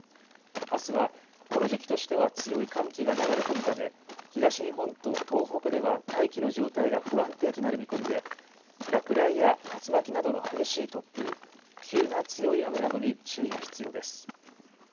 あすはこの時期としては強い寒気が流れ込むため東日本と東北では大気の状態が不安定となる見込みで落雷や竜巻などの激しい突風、急な強い雨などに注意が必要です。